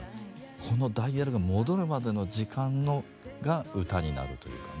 このダイヤルが戻るまでの時間が歌になるというかね。